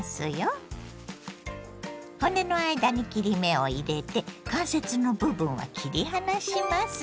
骨の間に切り目を入れて関節の部分は切り離します。